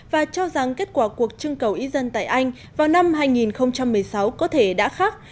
và cho rằng kết quả cuộc trưng cầu ý dân tại anh vào năm hai nghìn một mươi sáu có thể đã khác